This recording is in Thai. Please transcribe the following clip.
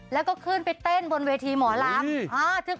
แล้วก็ขึ้นไปเต้นบนเวทีหมอลำ